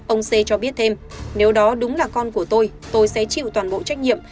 ông xê cho biết thêm nếu đó đúng là con của tôi tôi sẽ chịu toàn bộ trách nhiệm